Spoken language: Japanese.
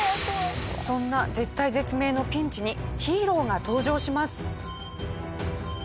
そんな絶体絶命のピンチにヒーローが登場します。